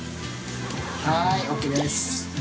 はいＯＫです」